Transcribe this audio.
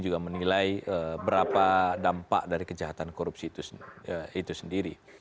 juga menilai berapa dampak dari kejahatan korupsi itu sendiri